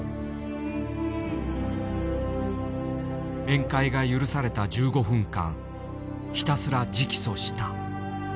面会が許された１５分間ひたすら直訴した。